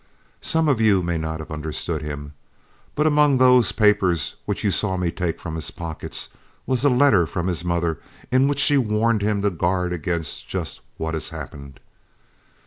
Some of you may not have understood him, but among those papers which you saw me take from his pockets was a letter from his mother, in which she warned him to guard against just what has happened.